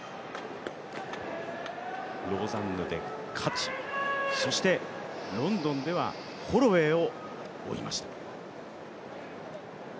ローザンヌで勝ち、そしてロンドンではホロウェイを追いました。